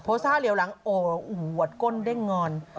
โพสต์ฮาวเหลียวหลังโอ้โหหวดก้นได้งอน